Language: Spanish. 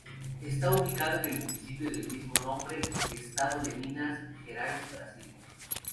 Está ubicado en el municipio del mismo nombre, Estado de Minas Gerais, Brasil.